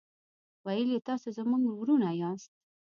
ویل یې تاسو زموږ ورونه یاست.